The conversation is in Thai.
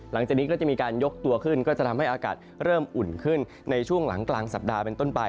หลังจากนี้ก็จะมีการยกตัวขึ้นก็จะทำให้อากาศเริ่มอุ่นขึ้นในช่วงหลังกลางสัปดาห์เป็นต้นไป